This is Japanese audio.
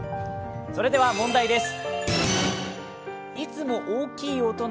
それでは問題です。